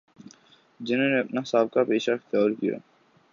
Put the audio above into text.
جنہوں نے اپنا سا بقہ پیشہ اختیارکیا